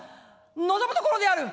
望むところである」。